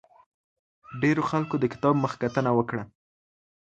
ډېرو خلکو د کتاب مخکتنه وکړه.